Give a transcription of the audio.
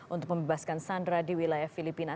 untuk membebaskan sandra di wilayah filipina